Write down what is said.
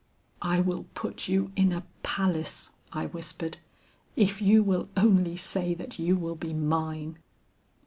"'I will put you in a palace,' I whispered, 'if you will only say that you will be mine.'